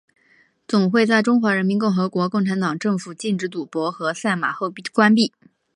总会在中华人民共和国共产党政府禁止赌博和赛马后关闭。